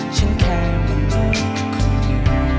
ฉันแค่มนุษย์ของเธอ